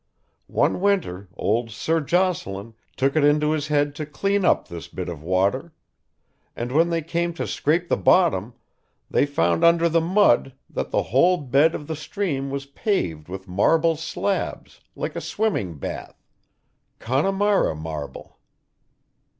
One winter old Sir Jocelyn took it into his head to clean up this bit of water, and when they came to scrape the bottom they found under the mud that the whole bed of the stream was paved with marble slabs like a swimming bath ... Connemara marble.